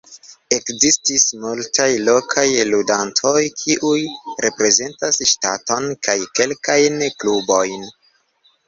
Ekzistis multaj lokaj ludantoj kiuj reprezentas ŝtaton kaj kelkajn klubojn.